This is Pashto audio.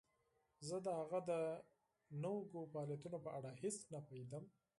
زه د هغه د نویو فعالیتونو په اړه هیڅ نه پوهیدم